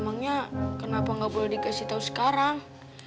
emangnya kenapa gak boleh dikasih tau sekarang